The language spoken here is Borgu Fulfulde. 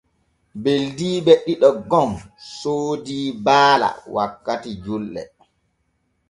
Beldiiɓe ɗiɗo gom soodii baala wakkati julɗe.